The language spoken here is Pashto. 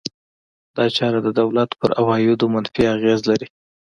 دا چاره د دولت پر عوایدو منفي اغېز لري.